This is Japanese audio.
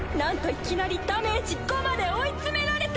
いきなりダメージ５まで追い詰められた！